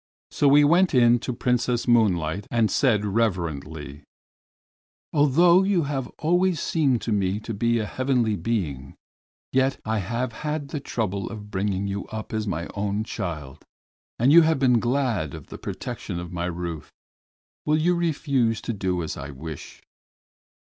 So he went in to Princess Moonlight and said reverently: "Although you have always seemed to me to be a heavenly being, yet I have had the trouble of bringing you up as my own child and you have been glad of the protection of my roof. Will you refuse to do as I wish?"